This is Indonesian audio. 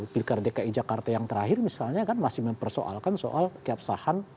pilkar dki jakarta yang terakhir misalnya kan masih mempersoalkan soal keabsahan